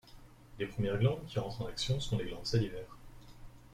Les premières glandes qui entrent en action sont les glandes salivaires.